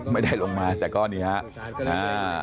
ไม่ได้ลงมาแต่ก็นี่ฮะ